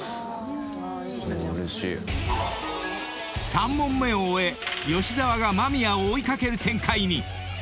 ［３問目を終え吉沢が間宮を追い掛ける展開に］